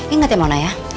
ingat ya mona ya